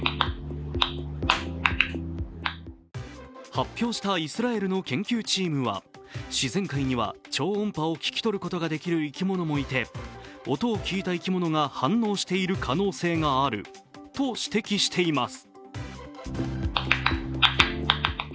発表したイスラエルの研究チームは、自然界には超音波を聞き取ることができる生き物もいて、音を聞いた生き物が反応している可能性があると指摘しています。